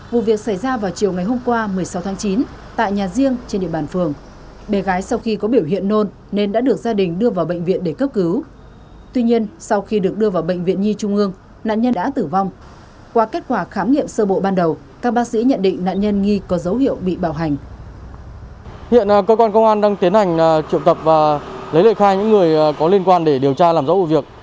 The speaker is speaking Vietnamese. hiện cơ quan công an đang tiến hành triệu tập và lấy lời khai những người có liên quan để điều tra làm rõ vụ việc